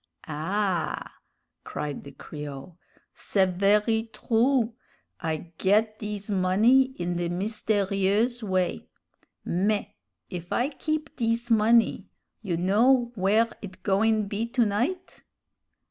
'" "Ah!" cried the Creole, "c'est very true. I ged this money in the mysterieuze way. Mais, if I keep dis money, you know where it goin' be to night?"